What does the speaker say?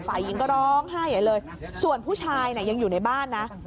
ฝ่ายหญิงก็ร้องไห้ใหญ่เลยส่วนผู้ชายยังอยู่ในบ้านนะ